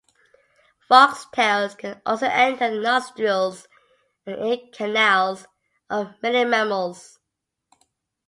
Foxtails can also enter the nostrils and ear canals of many mammals.